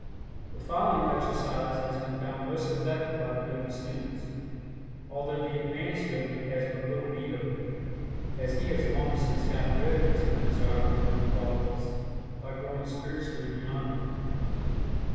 The following exercise has been found most effective by the Yogi students, although the advanced Yogi has but little need of it, as he has long since gotten rid of these undesirable mental qualities by growing spiritually beyond them.